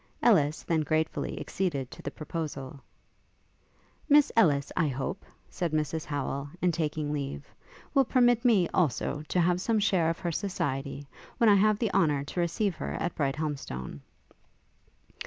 Ellis then gratefully acceded to the proposal. 'Miss Ellis, I hope,' said Mrs Howel, in taking leave, 'will permit me, also, to have some share of her society, when I have the honour to receive her at Brighthelmstone.'